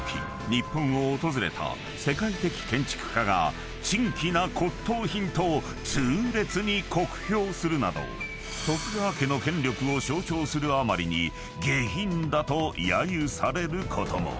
日本を訪れた世界的建築家が珍奇な骨董品と痛烈に酷評するなど徳川家の権力を象徴するあまりに下品だとやゆされることも］